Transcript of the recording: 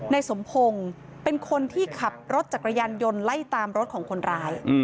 นายสมพงศ์เป็นคนที่ขับรถจักรยานยนต์ไล่ตามรถของคนร้าย